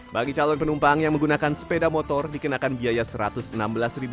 bagi calon penumpang yang menggunakan sepeda motor dikenakan biaya rp satu ratus enam belas